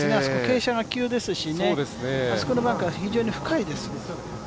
傾斜が急ですし、あそこのバンカーは非常に深いです。